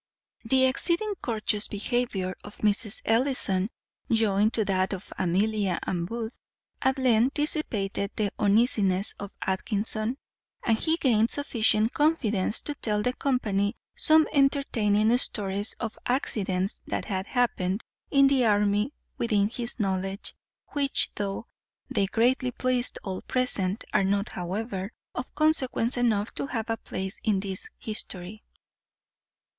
The exceeding courteous behaviour of Mrs. Ellison, joined to that of Amelia and Booth, at length dissipated the uneasiness of Atkinson; and he gained sufficient confidence to tell the company some entertaining stories of accidents that had happened in the army within his knowledge, which, though they greatly pleased all present, are not, however, of consequence enough to have a place in this history.